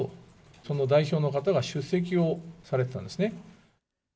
その代表の方が出席をされてたんですね。